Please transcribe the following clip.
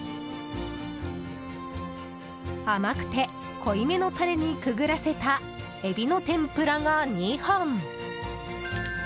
甘くて濃いめのタレにくぐらせたエビの天ぷらが２本。